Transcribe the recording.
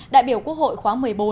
đại biểu quốc hội khoá một mươi bốn